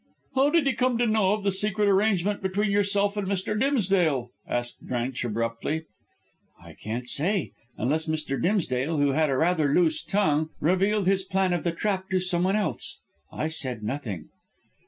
"How did he come to know of the secret arrangement between yourself and Mr. Dimsdale?" asked Drench abruptly. "I can't say, unless Mr. Dimsdale, who had rather a loose tongue, revealed his plan of the trap to someone else. I said nothing."